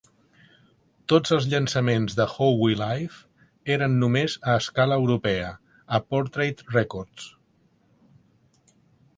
Tots els llançaments de How We Live eren només a escala europea, a Portrait Records.